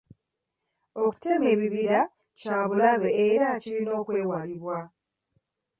Okutema ebibira kya bulabe era kirina okwewalibwa.